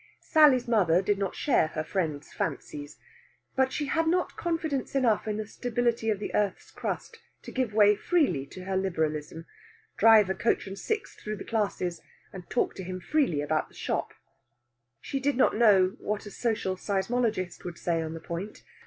Sally's mother did not share her friend's fancies. But she had not confidence enough in the stability of the earth's crust to give way freely to her liberalism, drive a coach and six through the Classes, and talk to him freely about the shop. She did not know what a Social Seismologist would say on the point.